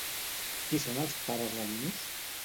Qui són els pares de Linos?